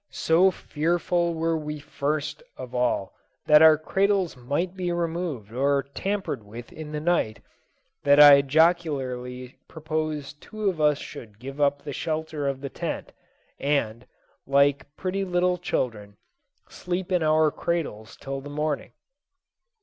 So fearful were we first of all that our cradles might be removed or tampered with in the night, that I jocularly proposed two of us should give up the shelter of the tent, and, like pretty little children, sleep in our cradles till the morning.